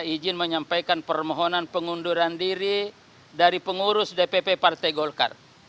izin menyampaikan permohonan pengunduran diri dari pengurus dpp partai golkar